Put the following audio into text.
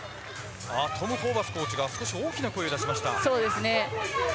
トム・ホーバスコーチが大きな声を出しました。